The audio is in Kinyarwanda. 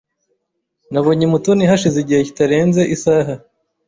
Nabonye Mutoni hashize igihe kitarenze isaha.